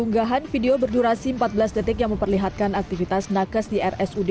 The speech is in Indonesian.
unggahan video berdurasi empat belas detik yang memperlihatkan aktivitas nakes di rsud